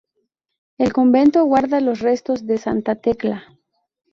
El convento guarda los restos de santa Tecla.